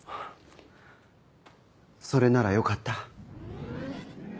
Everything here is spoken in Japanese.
それならよかった。